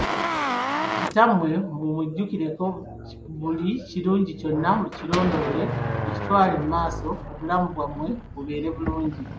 Kitammwe mu mujjukireko buli kirungi kyonna mu kirondoole mu kitwale mu maaso obulamu bwammwe bubeere bulungi.